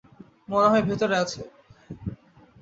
মনে হয় ভেতরে আছে।